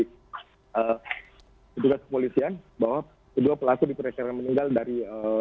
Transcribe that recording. kejuruteraan kepolisian bahwa kedua pelaku diperiksa meninggal dari